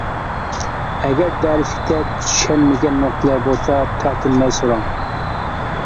ئەگەر دەرسلىكتە چۈشەنمىگەن نۇقتىلار بولسا تارتىنماي سوراڭ.